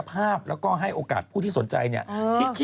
จากกระแสของละครกรุเปสันนิวาสนะฮะ